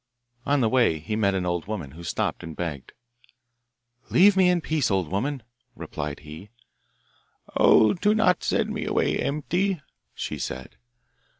On the way he met an old woman, who stopped and begged. 'Leave me in peace, old woman,' replied he. 'Oh, do not send me away empty,' she said.